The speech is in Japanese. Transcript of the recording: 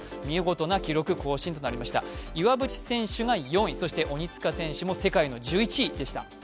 見事な記録更新となりました、岩渕選手が４位、そして鬼塚選手も世界の１１位でした。